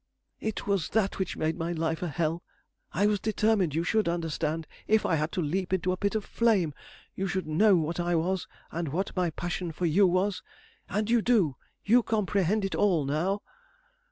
It was that which made my life a hell. I was determined you should understand. If I had to leap into a pit of flame, you should know what I was, and what my passion for you was. And you do. You comprehend it all now.